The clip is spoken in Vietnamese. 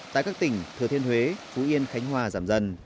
tại các tỉnh thừa thiên huế phú yên khánh hòa giảm dần